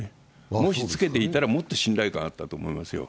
もしつけていたら、もっと信頼感あったと思いますよ。